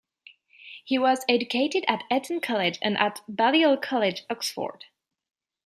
He was educated at Eton College and at Balliol College, Oxford.